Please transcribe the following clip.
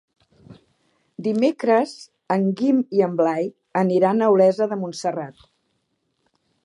Dimecres en Guim i en Blai aniran a Olesa de Montserrat.